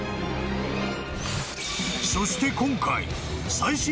［そして今回］